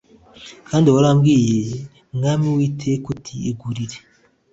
Kandi warambwiye Mwami Uwiteka uti Igurire